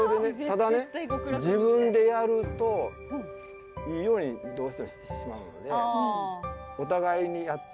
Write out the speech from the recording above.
ただね自分でやるといいようにどうしてもしてしまうのでお互いにやって。